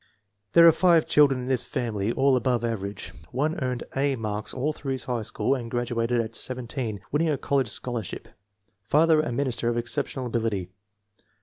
There are five children in this family, all above average. One earned "A" marks all through high school and graduated at 17, winning a college scholar ship. Father a minister of exceptional ability.